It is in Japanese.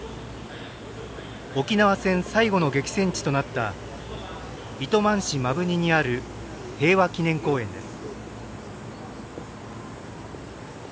沖縄戦最後の激戦地となった糸満市摩文仁にある平和祈念公園です。